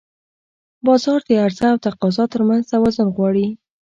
بازار د عرضه او تقاضا ترمنځ توازن غواړي.